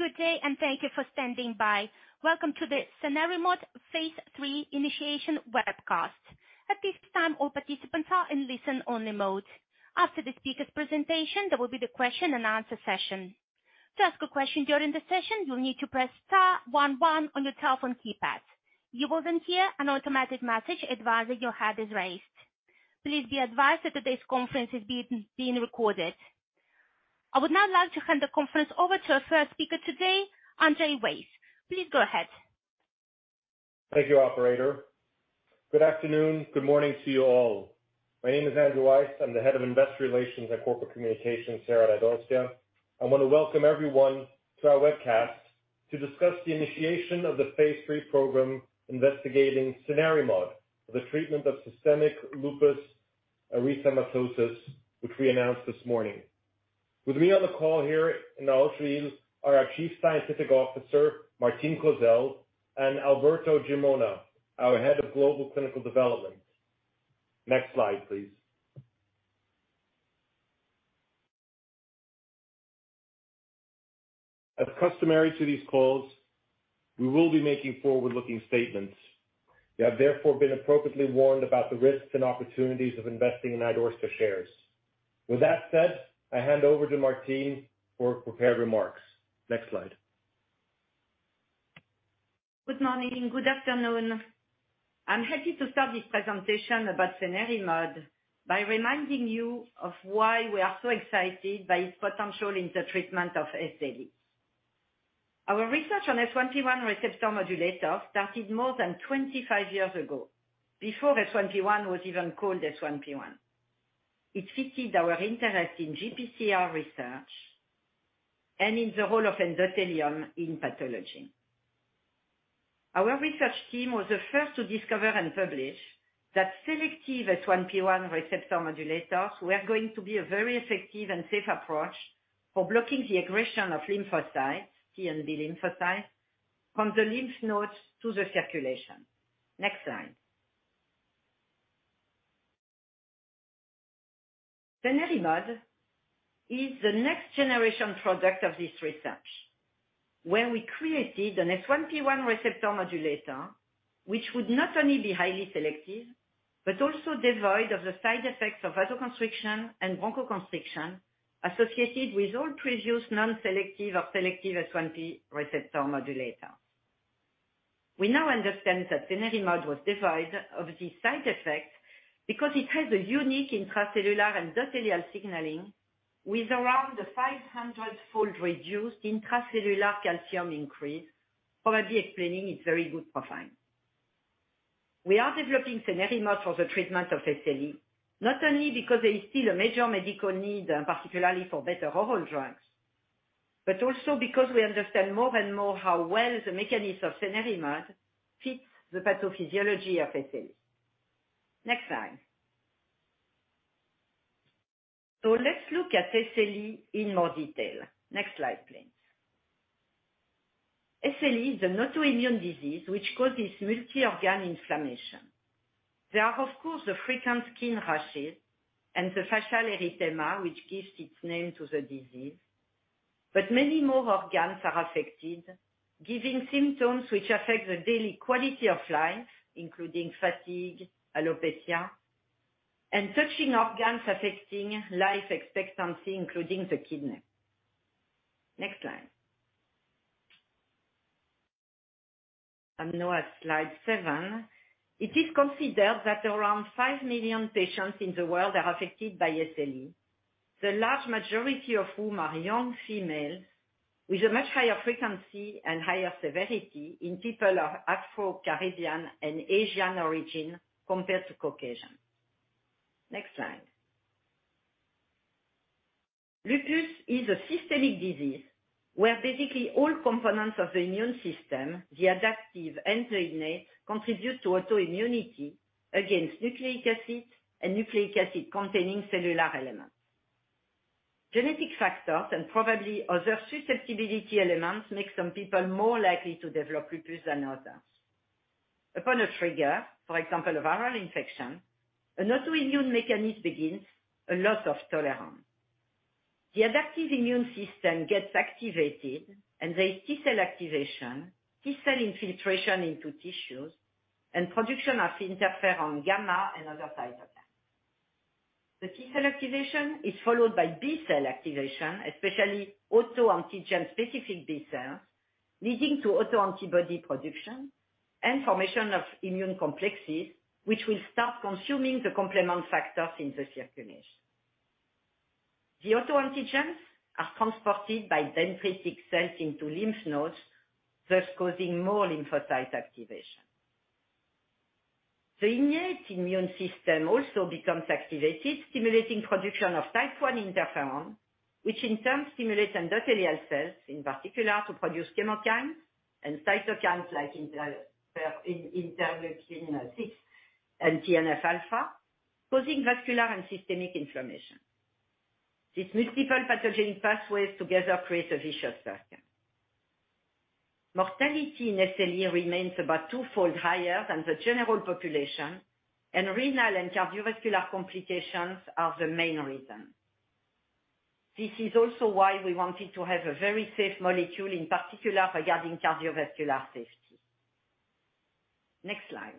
Good day, thank you for standing by. Welcome to the Cenerimod phase III initiation webcast. At this time, all participants are in listen-only mode. After the speaker's presentation, there will be the question and answer session. To ask a question during the session, you'll need to press star one one on your telephone keypad. You will then hear an automatic message advising your hand is raised. Please be advised that today's conference is being recorded. I would now like to hand the conference over to our first speaker today, Andrew Weiss. Please go ahead. Thank you, operator. Good afternoon, good morning to you all. My name is Andrew Weiss. I'm the head of Investor Relations and Corporate Communications here at Idorsia. I want to welcome everyone to our webcast to discuss the initiation of the phase III program investigating cenerimod for the treatment of systemic lupus erythematosus, which we announced this morning. With me on the call here in Allschwil are our Chief Scientific Officer, Martine Clozel, and Alberto Gimona, our Head of Global Clinical Development. Next slide, please. As customary to these calls, we will be making forward-looking statements. You have therefore been appropriately warned about the risks and opportunities of investing in Idorsia shares. With that said, I hand over to Martine for prepared remarks. Next slide. Good morning, good afternoon. I'm happy to start this presentation about cenerimod by reminding you of why we are so excited by its potential in the treatment of SLE. Our research on S1P1 receptor modulator started more than 25 years ago, before S1P1 was even called S1P1. It fitted our interest in GPCR research and in the role of endothelium in pathology. Our research team was the first to discover and publish that selective S1P1 receptor modulators were going to be a very effective and safe approach for blocking the aggression of lymphocytes, T and B lymphocytes, from the lymph nodes to the circulation. Next slide. Cenerimod is the next generation product of this research, where we created an S1P1 receptor modulator, which would not only be highly selective, but also devoid of the side effects of vasoconstriction and bronchoconstriction associated with all previous non-selective or selective S1P receptor modulator. We now understand that cenerimod was devoid of this side effect because it has a unique intracellular endothelial signaling with around the 500-fold reduced intracellular calcium increase, probably explaining its very good profile. We are developing cenerimod for the treatment of SLE, not only because there is still a major medical need, particularly for better overall drugs, but also because we understand more and more how well the mechanism of cenerimod fits the pathophysiology of SLE. Next slide. Let's look at SLE in more detail. Next slide, please. SLE is an autoimmune disease which causes multi-organ inflammation. There are, of course, the frequent skin rashes and the facial erythema, which gives its name to the disease, but many more organs are affected, giving symptoms which affect the daily quality of life, including fatigue, alopecia, and touching organs affecting life expectancy, including the kidney. Next slide. I'm now at slide seven. It is considered that around 5 million patients in the world are affected by SLE, the large majority of whom are young females with a much higher frequency and higher severity in people of Afro-Caribbean and Asian origin compared to Caucasian. Next slide. Lupus is a systemic disease where basically all components of the immune system, the adaptive and the innate, contribute to autoimmunity against nucleic acid and nucleic acid-containing cellular elements. Genetic factors and probably other susceptibility elements make some people more likely to develop lupus than others. Upon a trigger, for example, a viral infection, an autoimmune mechanism begins a loss of tolerance. The adaptive immune system gets activated, and there is T-cell activation, T-cell infiltration into tissues, and production of interferon gamma and other cytokines. The T cell activation is followed by B cell activation, especially autoantigen-specific B cells, leading to autoantibody production and formation of immune complexes, which will start consuming the complement factors in the circulation. The autoantigens are transported by dendritic cells into lymph nodes, thus causing more lymphocyte activation. The innate immune system also becomes activated, stimulating production of type I interferon, which in turn stimulates endothelial cells, in particular, to produce chemokines and cytokines like interleukin-6 and TNF alpha, causing vascular and systemic inflammation. These multiple pathogenic pathways together create a vicious circle. Mortality in SLE remains about twofold higher than the general population, and renal and cardiovascular complications are the main reason. This is also why we wanted to have a very safe molecule, in particular regarding cardiovascular safety. Next slide.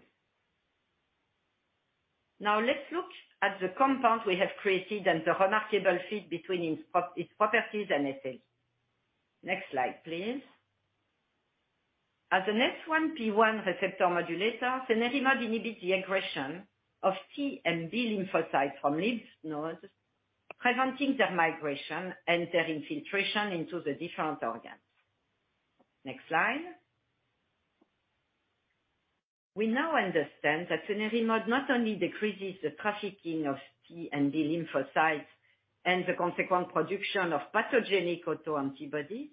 Now let's look at the compound we have created and the remarkable fit between its properties and SLE. Next slide, please. As an S1P1 receptor modulator, cenerimod inhibits the aggression of T and B lymphocytes from lymph nodes, preventing their migration and their infiltration into the different organs. Next slide. We now understand that cenerimod not only decreases the trafficking of T and B lymphocytes and the consequent production of pathogenic autoantibodies,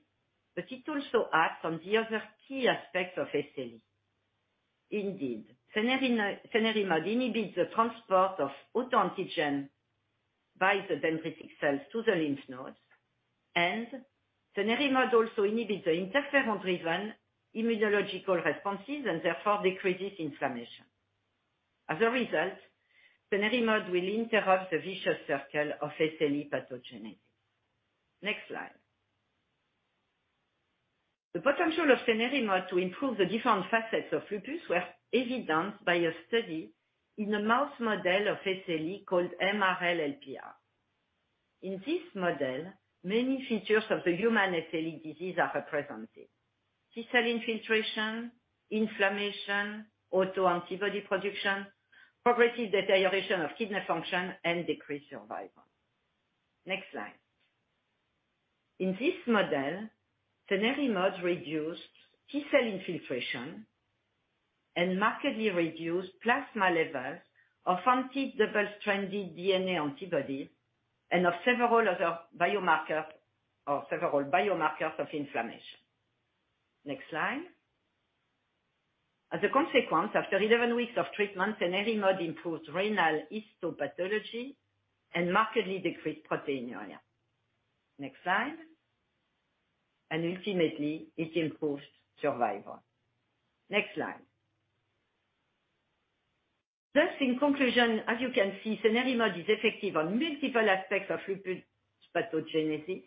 but it also acts on the other key aspects of SLE. Indeed, cenerimod inhibits the transport of autoantigen by the dendritic cells to the lymph nodes, and cenerimod also inhibits the interferon-driven immunological responses, and therefore decreases inflammation. As a result, cenerimod will interrupt the vicious circle of SLE pathogenesis. Next slide. The potential of cenerimod to improve the different facets of lupus were evidenced by a study in a mouse model of SLE called MRL/lpr. In this model, many features of the human SLE disease are represented: T cell infiltration, inflammation, autoantibody production, progressive deterioration of kidney function, and decreased survival. Next slide. In this model, cenerimod reduced T cell infiltration and markedly reduced plasma levels of anti-double stranded DNA antibodies and of several biomarkers of inflammation. Next slide. As a consequence, after 11 weeks of treatment, cenerimod improved renal histopathology and markedly decreased proteinuria. Next slide. Ultimately, it improved survival. Next slide. In conclusion, as you can see, cenerimod is effective on multiple aspects of lupus pathogenesis.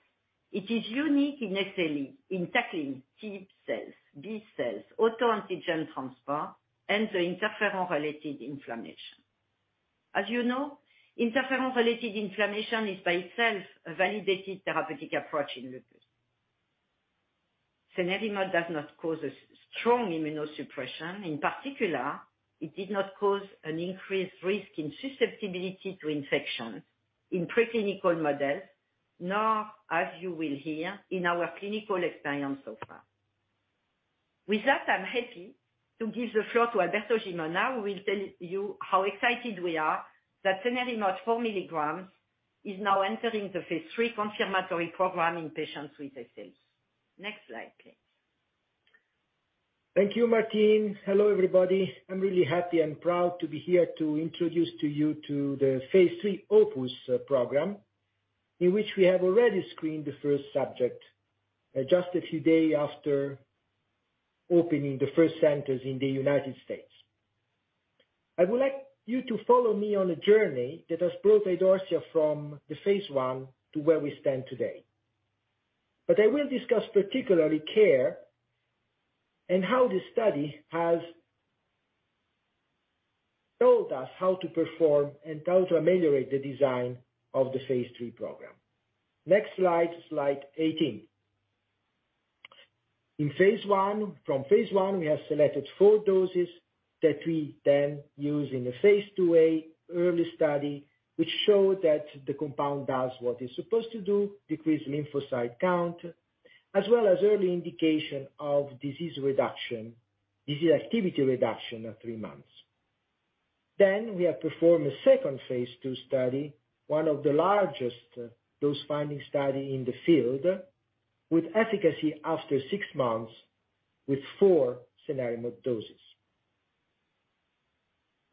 It is unique in SLE in tackling T cells, B cells, autoantigen transport, and the interferon related inflammation. As you know, interferon related inflammation is by itself a validated therapeutic approach in lupus. cenerimod does not cause a strong immunosuppression. In particular, it did not cause an increased risk in susceptibility to infection in preclinical models, nor, as you will hear, in our clinical experience so far. I'm happy to give the floor to Alberto Gimona, who will tell you how excited we are that cenerimod 4 mgs is now entering the phase III confirmatory program in patients with SLE. Next slide please. Thank you, Martine. Hello, everybody. I'm really happy and proud to be here to introduce to you to the Phase III OPUS program, in which we have already screened the first subject just a few day after opening the first centers in the United States. I would like you to follow me on a journey that has brought Idorsia from the phase I to where we stand today. I will discuss particularly CARE and how this study has told us how to perform and how to ameliorate the design of the phase III program. Next slide 18. In phase I... From phase I, we have selected four doses that we use in a phase II-A early study, which show that the compound does what it's supposed to do, decrease lymphocyte count, as well as early indication of disease reduction, disease activity reduction at threII months. We have performed a second phase 2 study, one of the largest dose-finding study in the field, with efficacy after six months with four cenerimod doses.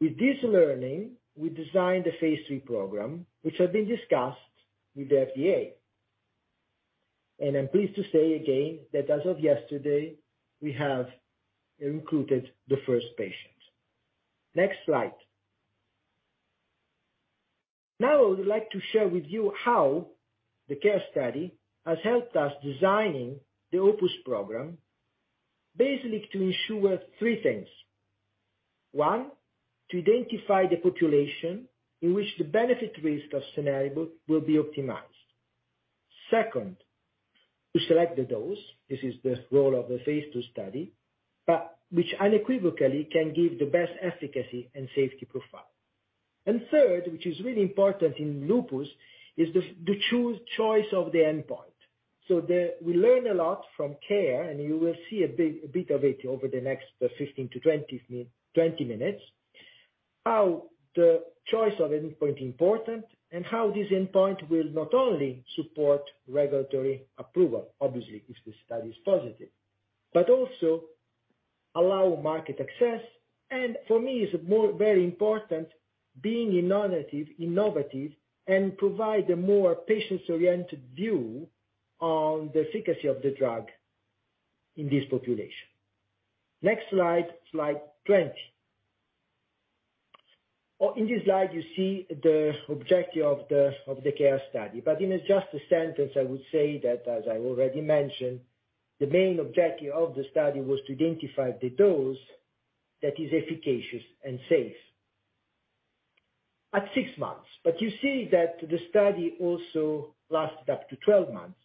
With this learning, we designed the phase III program, which has been discussed with the FDA. I'm pleased to say again that as of yesterday, we have recruited the first patient. Next slide. I would like to share with you how the CARE study has helped us designing the OPUS program, basically to ensure three things. One, to identify the population in which the benefit risk of cenerimod will be optimized. Second, to select the dose, this is the role of the phase II study, which unequivocally can give the best efficacy and safety profile. Third, which is really important in lupus, is the choice of the endpoint. We learn a lot from CARE, and you will see a bit of it over the next 15-20 minutes, how the choice of endpoint important and how this endpoint will not only support regulatory approval, obviously if the study is positive, but also allow market access, and for me is more very important, being innovative and provide a more patient-oriented view on the efficacy of the drug in this population. Next slide, slide 20. Oh, in this slide you see the objective of the CARE study. In just a sentence, I would say that as I already mentioned, the main objective of the study was to identify the dose that is efficacious and safe at six months. You see that the study also lasted up to 12 months.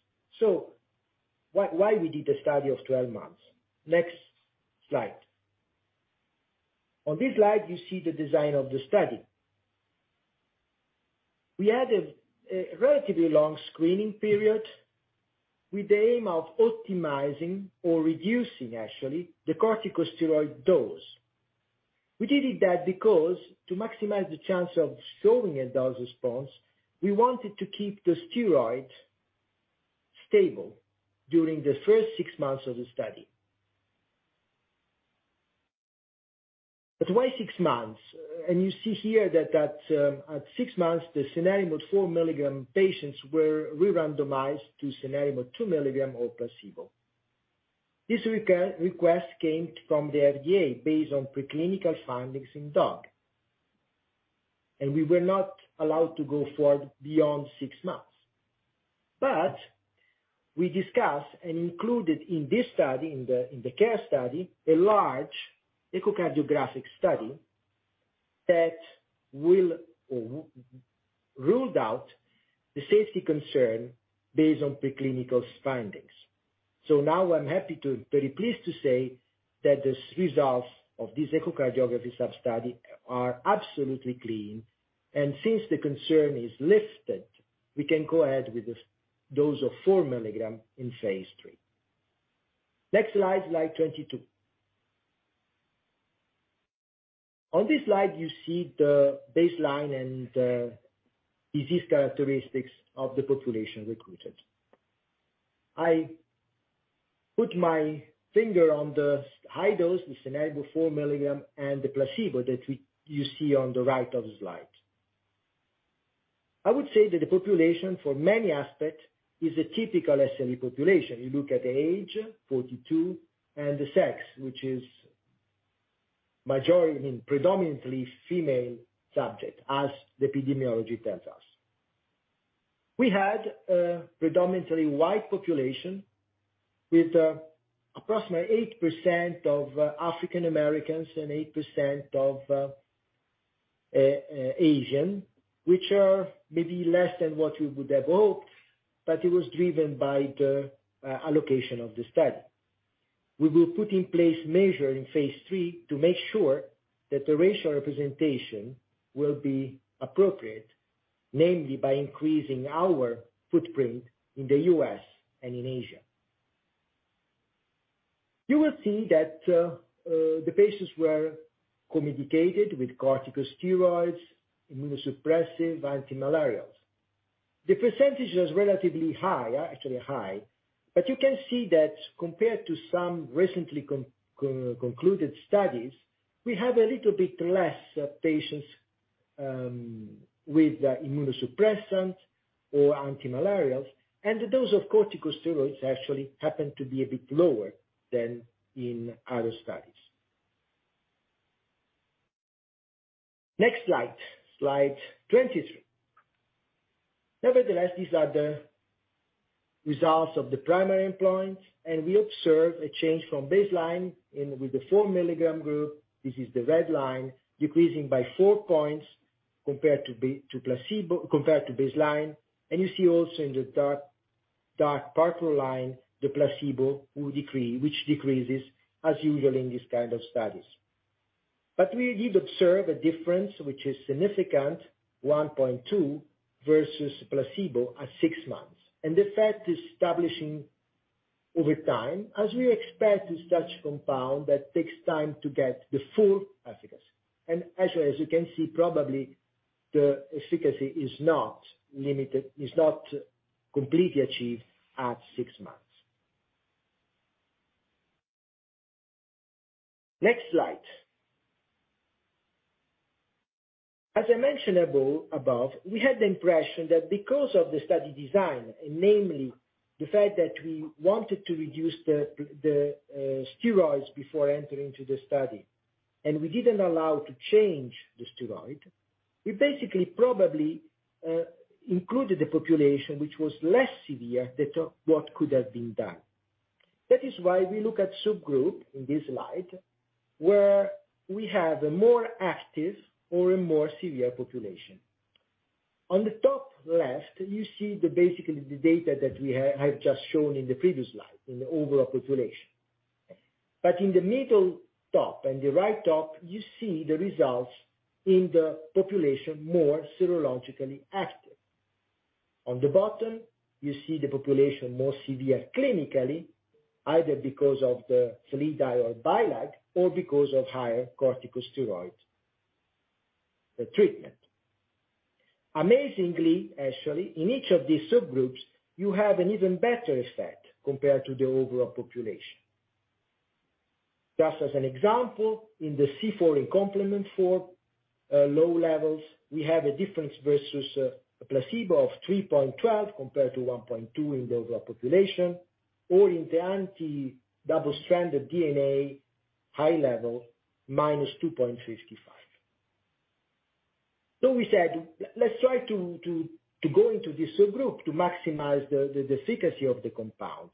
Why we did a study of 12 months? Next slide. On this slide you see the design of the study. We had a relatively long screening period with the aim of optimizing or reducing actually, the corticosteroid dose. We did it that because to maximize the chance of showing a dose response, we wanted to keep the steroid stable during the first six months of the study. Why six months? You see here that at six months, the cenerimod 4 mg patients were re-randomized to cenerimod 2 mg or placebo. This request came from the FDA based on preclinical findings in dog. We were not allowed to go forward beyond six months. We discussed and included in this study, in the CARE study, a large echocardiographic study that will ruled out the safety concern based on preclinical findings. Now I'm very pleased to say that these results of this echocardiography sub-study are absolutely clean. Since the concern is lifted, we can go ahead with this dose of 4 mg in phase III. Next slide 22. On this slide you see the baseline and the disease characteristics of the population recruited. I put my finger on the high dose, the cenerimod 4 mg and the placebo that you see on the right of the slide. I would say that the population for many aspect is a typical SLE population. You look at the age, 42, and the sex, which is majority, I mean, predominantly female subject as the epidemiology tells us. We had a predominantly white population with approximately 8% of African Americans and 8% of Asian, which are maybe less than what we would have hoped, but it was driven by the allocation of the study. We will put in place measure in phase III to make sure that the racial representation will be appropriate, namely by increasing our footprint in the U.S. and in Asia. You will see that the patients were communicated with corticosteroids, immunosuppressive, antimalarials. The percentage is relatively high. Actually high. You can see that compared to some recently concluded studies, we have a little bit less patients with the immunosuppressants or antimalarials. The dose of corticosteroids actually happen to be a bit lower than in other studies. Next slide 23. Nevertheless, these are the results of the primary endpoint, and we observe a change from baseline with the 4 mg group. This is the red line decreasing by four points compared to placebo compared to baseline. You see also in the dark purple line the placebo which decreases as usual in these kind of studies. We did observe a difference which is significant, 1.2 versus placebo at six months. The fact is establishing over time as we expect with such compound that takes time to get the full efficacy. As you can see probably the efficacy is not limited, is not completely achieved at six months. Next slide. As I mentioned above, we had the impression that because of the study design, and namely the fact that we wanted to reduce the steroids before entering to the study, and we didn't allow to change the steroid, we basically probably included the population which was less severe than to what could have been done. That is why we look at subgroup in this slide, where we have a more active or a more severe population. On the top left you see the, basically the data that I've just shown in the previous slide in the overall population. In the middle top and the right top, you see the results in the population more serologically active. On the bottom you see the population more severe clinically either because of the SLEDAI or BILAG or because of higher corticosteroid. The treatment. Amazingly, actually, in each of these subgroups, you have an even better effect compared to the overall population. Just as an example, in the C4 complement 4 low levels, we have a difference versus a placebo of 3.12 compared to 1.2 in the overall population or in the anti-double stranded DNA high level -2.55. We said, let's try to go into this subgroup to maximize the efficacy of the compound.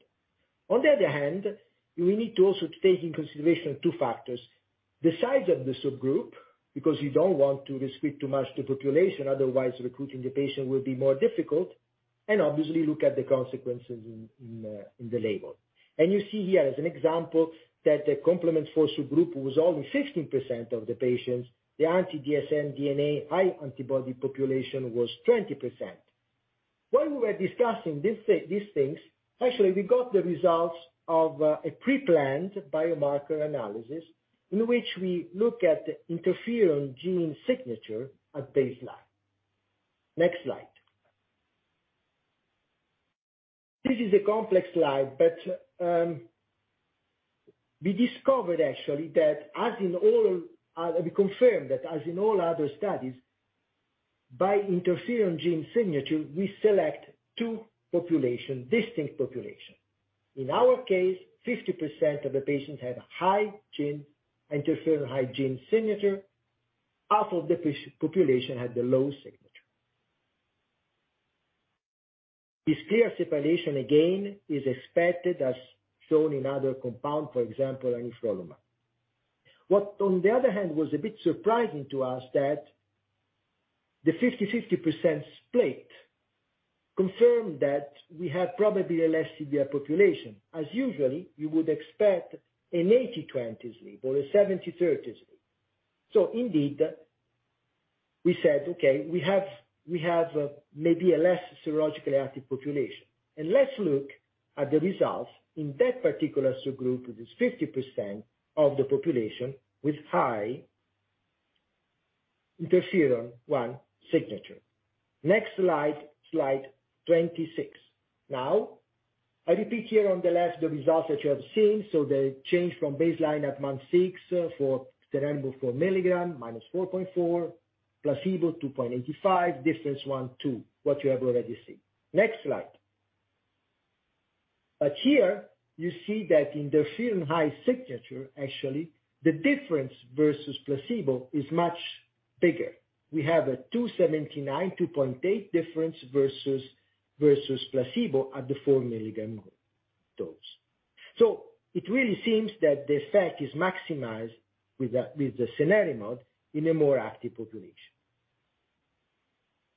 On the other hand, we need to also take into consideration two factors: the size of the subgroup, because you don't want to restrict too much the population, otherwise recruiting the patient will be more difficult, and obviously look at the consequences in the label. You see here as an example that the complement C4 subgroup was only 16% of the patients. The anti-dsDNA high antibody population was 20%. When we were discussing these things, actually we got the results of a pre-planned biomarker analysis in which we look at interferon gene signature at baseline. Next slide. This is a complex slide, but we discovered actually that as in all other studies, by interferon gene signature we select two population, distinct population. In our case, 50% of the patients had high gene, interferon high gene signature. Half of the population had the low signature. This clear separation again is expected as shown in other compound, for example anifrolumab. What on the other hand was a bit surprising to us that the 50/50% split confirmed that we have probably a less severe population. As usually you would expect an 80/20 split or a 70/30 split. Indeed we said, "Okay, we have maybe a less serologically active population." Let's look at the results in that particular subgroup, which is 50% of the population with high interferon-1 signature. Next slide 26. Now, I repeat here on the left the results that you have seen, so the change from baseline at month six for cenerimod 4 mg -4.4, placebo 2.85, difference 1.2, what you have already seen. Here you see that interferon high signature actually the difference versus placebo is much bigger. We have a 279, 2.8 difference versus placebo at the 4 mg dose. It really seems that the effect is maximized with the cenerimod in a more active population.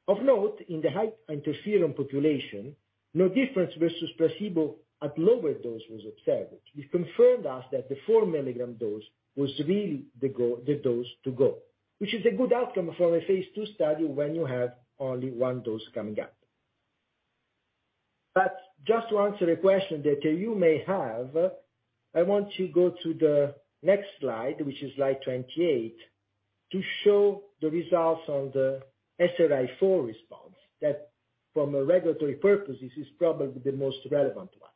Of note, in the high interferon population, no difference versus placebo at lower dose was observed, which confirmed us that the 4 mg dose was really the dose to go, which is a good outcome from a phase II study when you have only 1 dose coming up. Just to answer a question that you may have, I want to go to the next slide, which is slide 28, to show the results on the SRI-4 response that from a regulatory purposes is probably the most relevant one.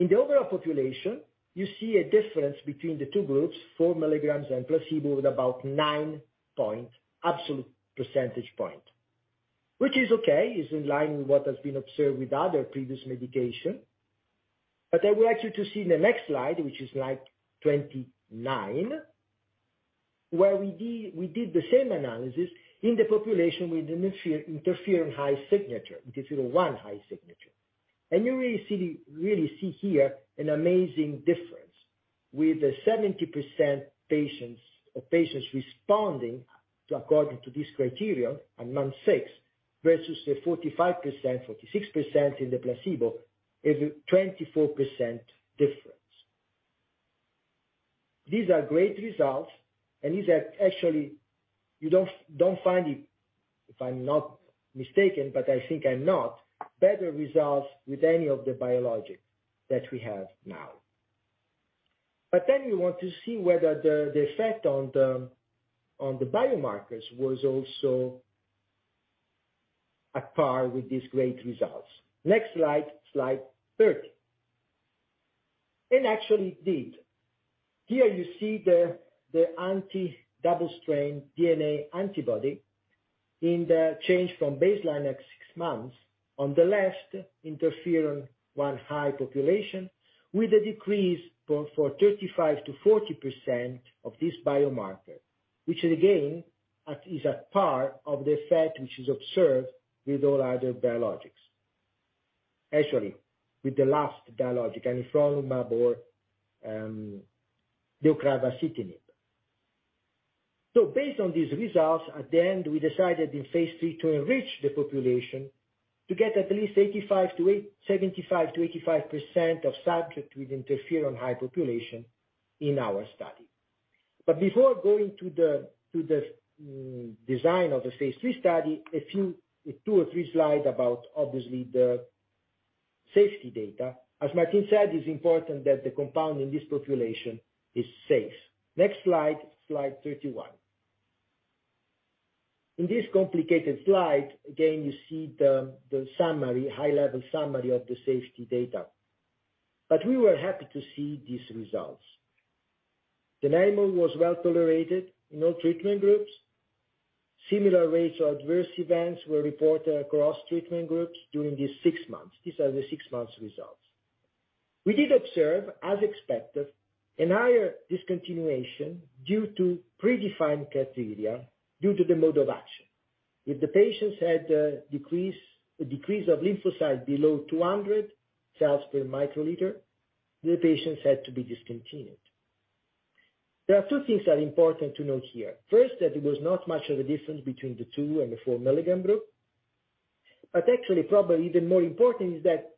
In the overall population, you see a difference between the two groups, 4 mgs and placebo with about 9 absolute percentage points, which is okay. It's in line with what has been observed with other previous medication. I would like you to see the next slide, which is slide 29, where we did the same analysis in the population with the interferon high signature, interferon 1 high signature. You really see here an amazing difference with 70% patients responding according to this criteria at month six versus the 45%, 46% in the placebo is a 24% difference. These are great results and these are actually you don't find it, if I'm not mistaken, but I think I'm not, better results with any of the biologics that we have now. You want to see whether the effect on the biomarkers was also at par with these great results. Next slide 30. It actually did. Here you see the anti-double stranded DNA antibody in the change from baseline at six months. On the left, interferon 1 high population with a decrease for 35%-40% of this biomarker, which again is at par of the effect which is observed with all other biologics. Actually, with the last biologic, anifrolumab or deucravacitinib. Based on these results, at the end we decided in phase III to enrich the population to get at least 75%-85% of subject with interferon high population in our study. Before going to the design of the phase III study, a few, two or three slide about obviously the safety data. As Martine Clozel said, it's important that the compound in this population is safe. Next slide, slide 31. In this complicated slide, again, you see the summary, high-level summary of the safety data. We were happy to see these results. Cenerimod was well-tolerated in all treatment groups. Similar rates of adverse events were reported across treatment groups during these six months. These are the six months results. We did observe, as expected, a higher discontinuation due to predefined criteria due to the mode of action. If the patients had a decrease of lymphocyte below 200 cells per microliter, the patients had to be discontinued. There are two things that are important to note here. First, that there was not much of a difference between the 2 mg and the 4 mg group. Actually, probably even more important is that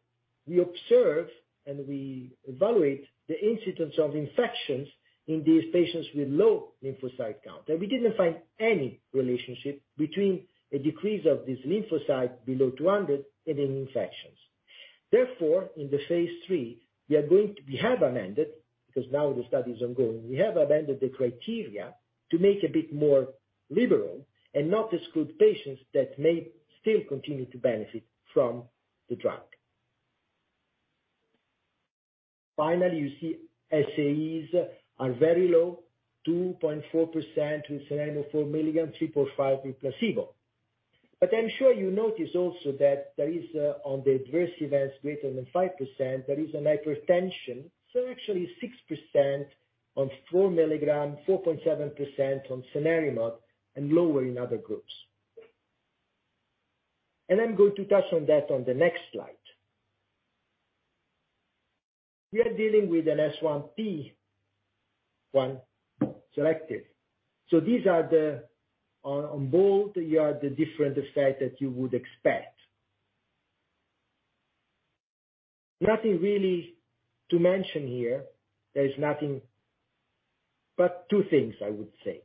we observed and we evaluate the incidence of infections in these patients with low lymphocyte count. We didn't find any relationship between a decrease of this lymphocyte below 200 in any infections. Therefore, in the phase III, we have amended, because now the study is ongoing, we have amended the criteria to make a bit more liberal and not exclude patients that may still continue to benefit from the drug. Finally, you see SAEs are very low, 2.4% with cenerimod 4 mg, 3.5% with placebo. I'm sure you notice also that there is on the adverse events greater than 5%, there is a hypertension, so actually 6% on 4 mg, 4.7% on cenerimod, and lower in other groups. I'm going to touch on that on the next slide. We are dealing with an S1P1 selective. These are on both, you have the different effect that you would expect. Nothing really to mention here. There is nothing but two things I would say.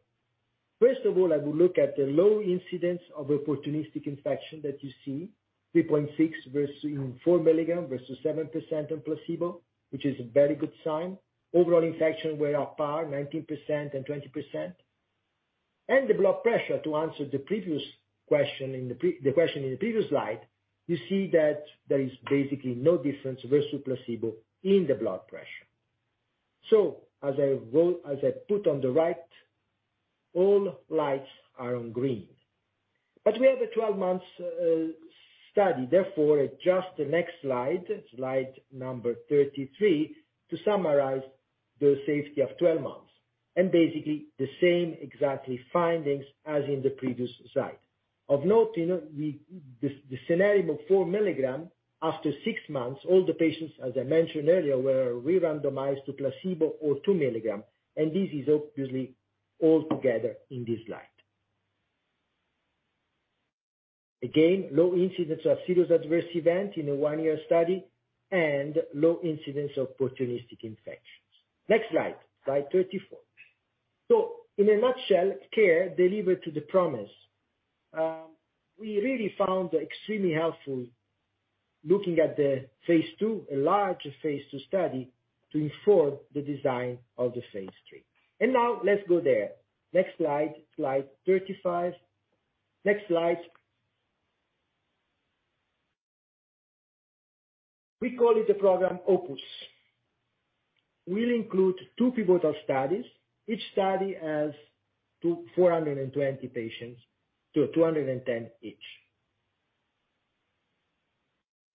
First of all, I will look at the low incidence of opportunistic infection that you see, 3.6 versus in 4 mg versus 7% on placebo, which is a very good sign. Overall infection were on par, 19% and 20%. The blood pressure, to answer the previous question in the question in the previous slide, you see that there is basically no difference versus placebo in the blood pressure. As I wrote, as I put on the right, all lights are on green. We have a 12 months study, therefore, adjust the next slide number 33, to summarize the safety of 12 months, and basically the same exactly findings as in the previous slide. Of note, you know, cenerimod 4 mg, after six months, all the patients, as I mentioned earlier, were re-randomized to placebo or 2 mg, and this is obviously all together in this slide. Again, low incidence of serious adverse event in a one-year study and low incidence of opportunistic infections. Next slide 34. In a nutshell, CARE delivered to the promise. We really found extremely helpful looking at the phase II, a large phase II study to inform the design of the phase III. Now let's go there. Next slide 35. Next slide. We call it the program OPUS. We'll include two pivotal studies. Each study has 420 patients. 210 each.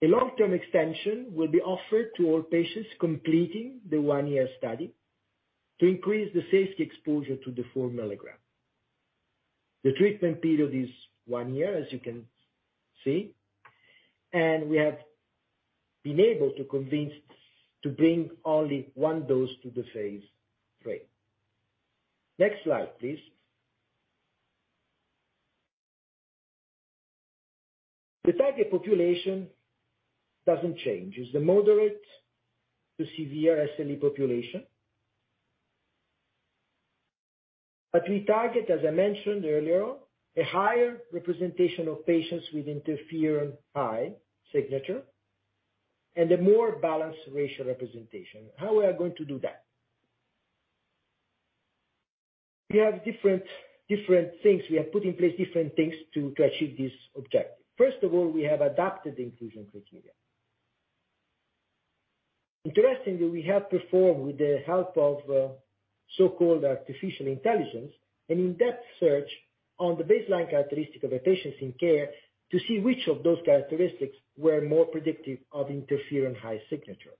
A long-term extension will be offered to all patients completing the one-year study to increase the safety exposure to the 4 mg. The treatment period is one year, as you can see, we have been able to convince to bring only one dose to the phase III. Next slide, please. The target population doesn't change. It's the moderate to severe SLE population. We target, as I mentioned earlier, a higher representation of patients with interferon high signature and a more balanced racial representation. How we are going to do that? We have different things. We have put in place different things to achieve this objective. First of all, we have adapted the inclusion criteria. Interestingly, we have performed with the help of so-called artificial intelligence an in-depth search on the baseline characteristic of the patients in CARE to see which of those characteristics were more predictive of interferon high signature.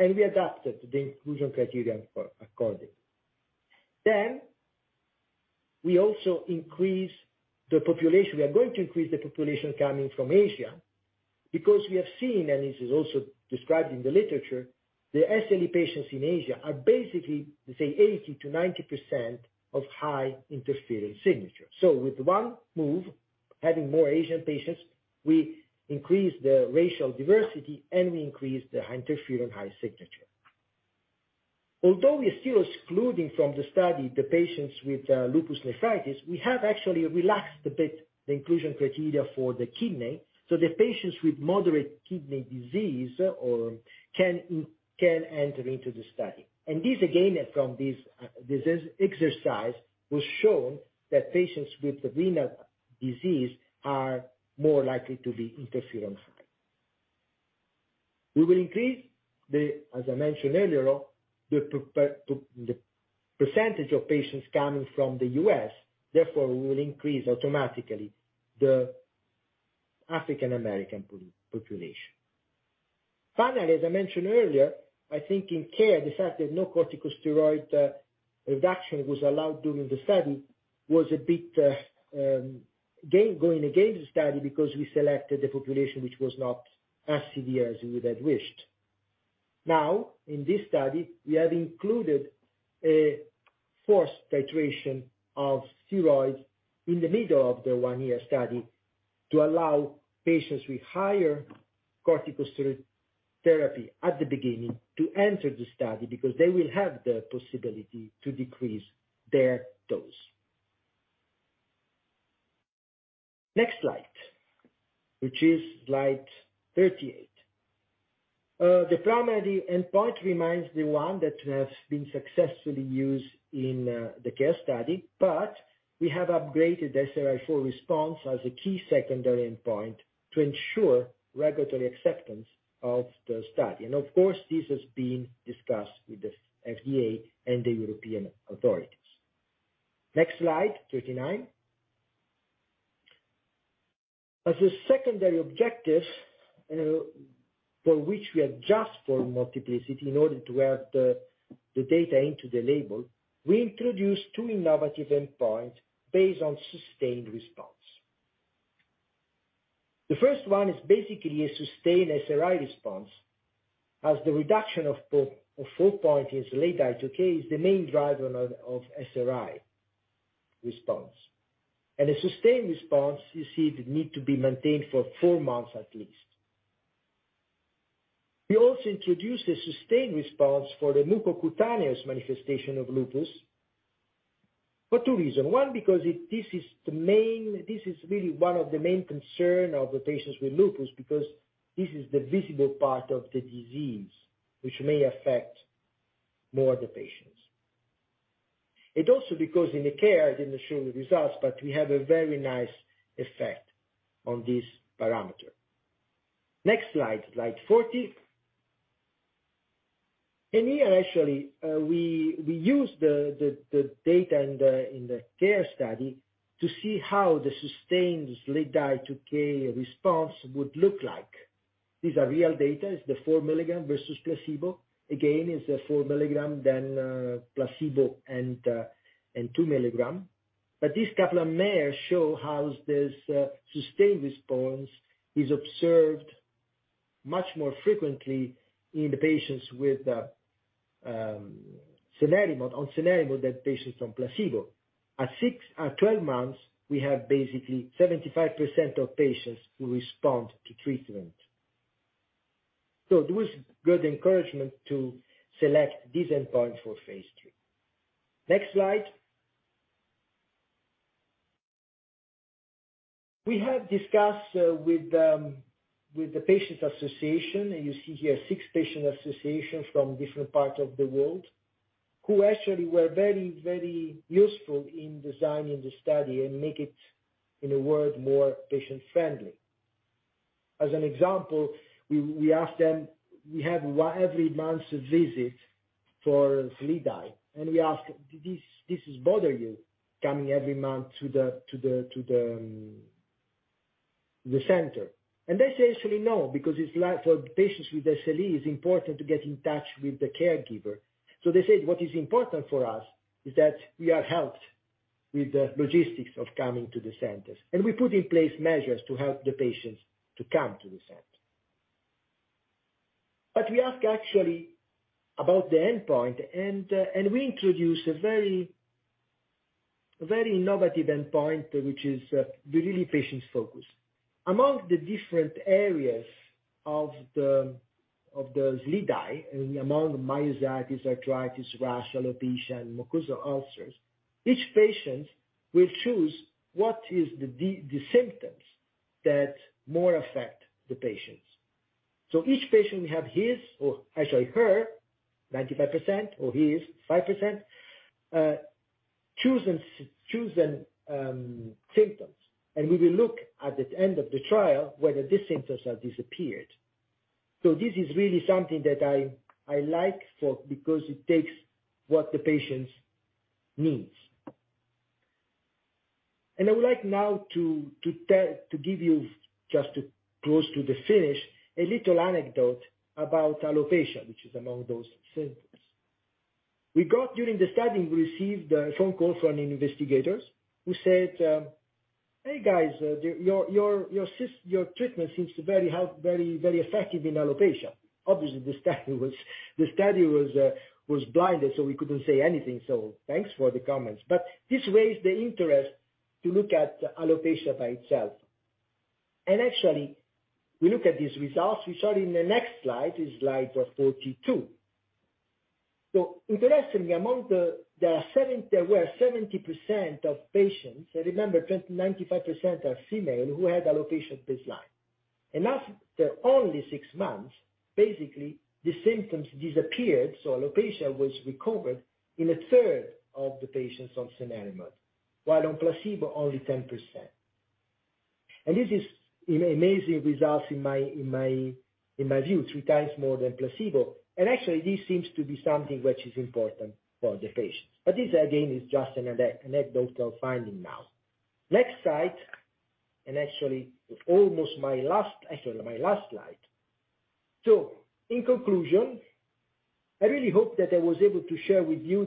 We adapted the inclusion criterion for accordingly. We also increase the population. We are going to increase the population coming from Asia because we have seen, and this is also described in the literature, the SLE patients in Asia are basically, let's say 80%-90% of high interferon signature. With one move, having more Asian patients, we increase the racial diversity and we increase the interferon high signature. Although we are still excluding from the study the patients with lupus nephritis, we have actually relaxed a bit the inclusion criteria for the kidney, so the patients with moderate kidney disease or can enter into the study. This again, from this exercise was shown that patients with renal disease are more likely to be interferon high. We will increase the, as I mentioned earlier, the percentage of patients coming from the U.S. therefore we will increase automatically the African-American population. Finally, as I mentioned earlier, I think in CARE, the fact that no corticosteroid reduction was allowed during the study was a bit going against the study because we selected a population which was not as severe as we would have wished. Now, in this study, we have included a forced titration of steroids in the middle of the one-year study to allow patients with higher corticosteroid therapy at the beginning to enter the study because they will have the possibility to decrease their dose. Next slide, which is slide 38. The primary endpoint remains the one that has been successfully used in the CARE study, but we have upgraded SRI-4 response as a key secondary endpoint to ensure regulatory acceptance of the study. Of course, this has been discussed with the FDA and the European authorities. Next slide, 39. As a secondary objective, for which we adjust for multiplicity in order to add the data into the label, we introduce two innovative endpoints based on sustained response. The first one is basically a sustained SRI response as the reduction of four points in SLEDAI-2K is the main driver of SRI response. A sustained response you see need to be maintained for four months at least. We also introduced a sustained response for the mucocutaneous manifestation of lupus for two reasons. One, because this is really one of the main concern of the patients with lupus because this is the visible part of the disease which may affect more the patients. It also because in the CARE, I didn't show you the results, but we have a very nice effect on this parameter. Next slide 40. In here actually, we used the data in the CARE study to see how the sustained SLEDAI-2K response would look like. These are real data, is the 4 mg versus placebo. It's a 4 mg then placebo and 2 mg. This Kaplan-Meier show how this sustained response is observed much more frequently in the patients with cenerimod than patients on placebo. At 12 months, we have basically 75% of patients who respond to treatment. It was good encouragement to select this endpoint for phase III. Next slide. We have discussed with the patients association, you see here six patient associations from different parts of the world, who actually were very useful in designing the study and make it, in a word, more patient friendly. As an example, we asked them, we have one every month visit for SLEDAI, we ask, "Do this is bother you coming every month to the center?" They say actually, "No," because it's like for patients with SLE, it's important to get in touch with the caregiver. They said, "What is important for us is that we are helped with the logistics of coming to the centers." We put in place measures to help the patients to come to the center. We ask actually about the endpoint and we introduce a very, very innovative endpoint which is really patient's focused. Among the different areas of the SLEDAI and among myositis, arthritis, rash, alopecia, and mucosal ulcers, each patient will choose what is the symptoms that more affect the patients. Each patient will have his or actually her, 95%, or his, 5%, chosen symptoms. We will look at the end of the trial whether these symptoms have disappeared. This is really something that I like for because it takes what the patients needs. I would like now to tell, to give you just close to the finish a little anecdote about alopecia, which is among those symptoms. We got during the study, we received a phone call from an investigators who said, "Hey guys, your sys-- your treatment seems to very help, very effective in alopecia." Obviously, the study was blinded, so we couldn't say anything, so thanks for the comments. This raised the interest to look at alopecia by itself. Actually, we look at these results, we saw it in the next slide, is slide 42. Interestingly, among the, there were 70% of patients, and remember 95% are female, who had alopecia at baseline. After only six months, basically the symptoms disappeared, so alopecia was recovered in 1/3 of the patients on cenerimod, while on placebo only 10%. This is an amazing results in my view, three times more than placebo. Actually, this seems to be something which is important for the patients. This again is just an anecdotal finding now. Next slide, actually my last slide. In conclusion, I really hope that I was able to share with you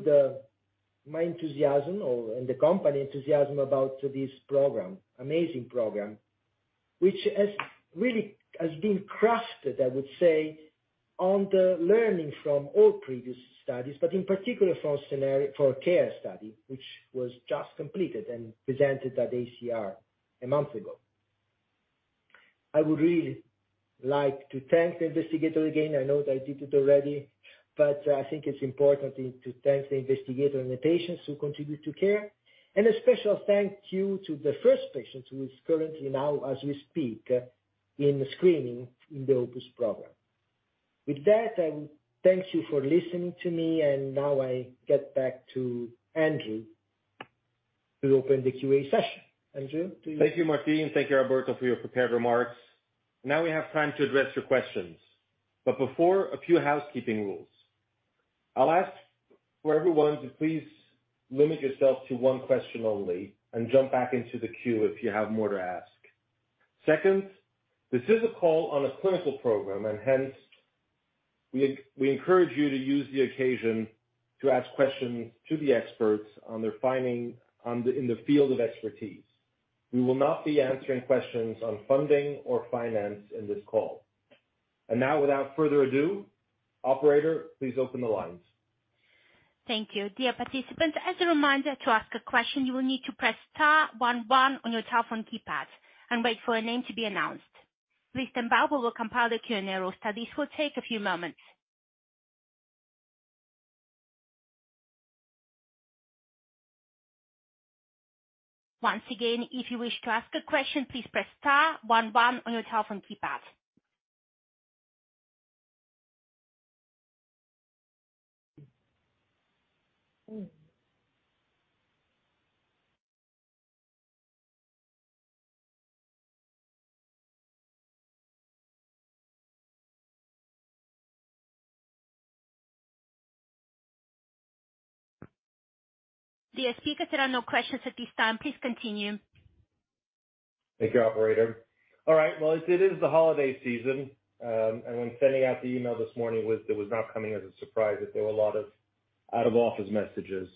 my enthusiasm or, and the company enthusiasm about this program, amazing program, which has really been crafted, I would say, on the learning from all previous studies, but in particular for CARE study, which was just completed and presented at ACR a month ago. I would really like to thank the investigator again. I know that I did it already, I think it's important to thank the investigator and the patients who contributed to CARE. A special thank you to the first patient who is currently now as we speak, in screening in the OPUS program. With that, I would thank you for listening to me, and now I get back to Andrew to open the QA session. Andrew, please. Thank you, Martine. Thank you, Alberto, for your prepared remarks. We have time to address your questions, but before, a few housekeeping rules. I'll ask for everyone to please limit yourself to one question only and jump back into the queue if you have more to ask. Second, this is a call on a clinical program, and hence, we encourage you to use the occasion to ask questions to the experts on their finding in the field of expertise. We will not be answering questions on funding or finance in this call. Without further ado, operator, please open the lines. Thank you. Dear participants, as a reminder, to ask a question, you will need to press star one one on your telephone keypad and wait for a name to be announced. Please stand by while we compile the Q&A roster. This will take a few moments. Once again, if you wish to ask a question, please press star one one on your telephone keypad. Dear speakers, there are no questions at this time. Please continue. Thank you, operator. All right. Well, it is the holiday season, when sending out the email this morning, it was not coming as a surprise that there were a lot of out of office messages.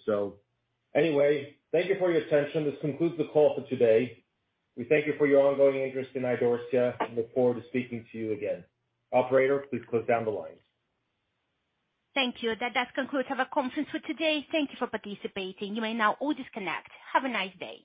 Anyway, thank you for your attention. This concludes the call for today. We thank you for your ongoing interest in Idorsia and look forward to speaking to you again. Operator, please close down the lines. Thank you. That does conclude our conference for today. Thank you for participating. You may now all disconnect. Have a nice day.